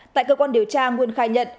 tại cơ quan điều tra nguyên khai nhận